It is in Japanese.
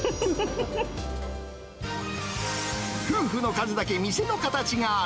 夫婦の数だけ店の形がある。